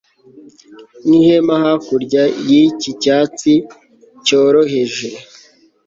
nk'ihema hakurya y'iki cyatsi cyoroheje